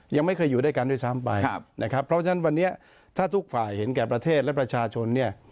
ยังไม่เคยอยู่ด้วยกันด้วยซ้ำไปนะครับเพราะฉะนั้นวันนี้ถ้าทุกฝ่ายเห็นแก่ประเทศและประชาชนเนี่ย